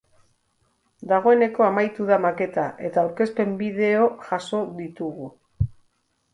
Dagoeneko amaitu da maketa eta aurkezpen bideo jaso ditugu.